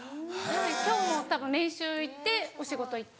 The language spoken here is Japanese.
今日もたぶん練習行ってお仕事行って。